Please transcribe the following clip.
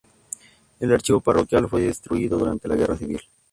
El archivo parroquial fue destruido durante la Guerra Civil.